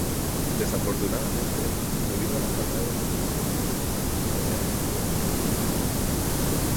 Desafortunadamente, debido a la falta de oponentes, más peleas no pudieron concretarse.